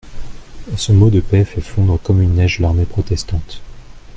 Ce mot de paix fait fondre comme une neige l'armée protestante.